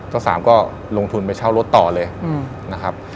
เจ้าสามก็ลงทุนไปเช่ารถต่อเลยนะครับ